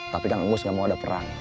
tapi kang ngus nggak mau ada perang